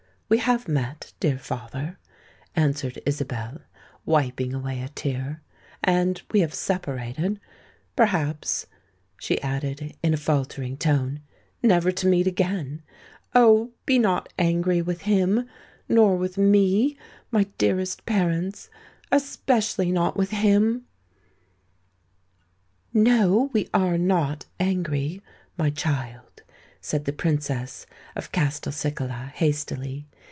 "We have met, dear father," answered Isabel, wiping away a tear; "and—we have separated—perhaps," she added in a faltering tone, "never to meet again. Oh! be not angry with him—nor with me, my dearest parents,—especially not with him!" "No—we are not angry, my child," said the Princess of Castelcicala, hastily.